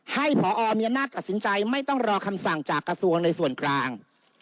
ให้พอมีอำนาจตัดสินใจไม่ต้องรอคำสั่งจากกระทรวงในส่วนกลาง